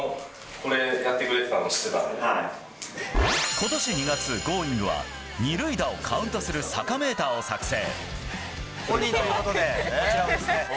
今年２月、「Ｇｏｉｎｇ！」は二塁打をカウントするサカメーターを作成。